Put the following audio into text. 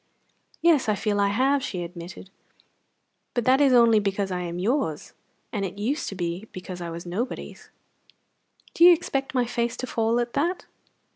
"Yes, I feel I have," she admitted, "but that is only because I am yours; and it used to be because I was nobody's!" "Do you expect my face to fall at that?"